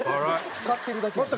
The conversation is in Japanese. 光ってるだけやん。